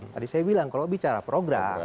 tadi saya bilang kalau bicara program